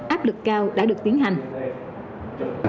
áp lực cao đã được tiến hành